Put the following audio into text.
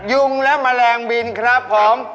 ยุงและแมลงบินครับผม